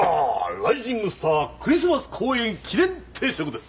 ライジングスター・クリスマス公演記念定食です！